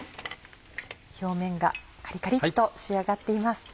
表面がカリカリっと仕上がっています。